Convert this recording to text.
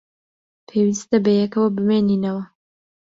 پێویستە بەیەکەوە بمێنینەوە.